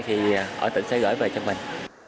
thì ở tỉnh sẽ gửi về cho mình